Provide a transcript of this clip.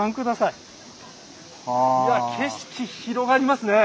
いや景色広がりますね。